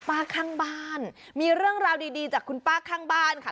ข้างบ้านมีเรื่องราวดีดีจากคุณป้าข้างบ้านค่ะ